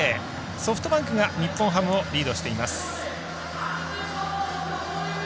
ソフトバンクが日本ハムをリードしています。